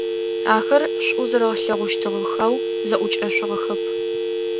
Ахэр шӏу зэрэлъэгъущтыгъэх, ау зэӏукӏэшъугъэхэп.